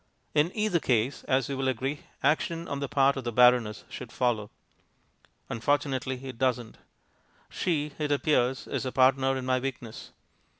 In either case, as you will agree, action on the part of the baroness should follow. Unfortunately it doesn't. She, it appears, is a partner in my weakness.